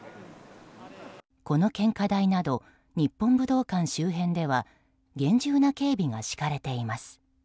この献花台など日本武道館周辺では厳重な警戒が敷かれています。